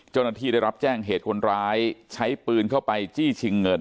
เจ้าหน้าที่ได้รับแจ้งเหตุคนร้ายใช้ปืนเข้าไปจี้ชิงเงิน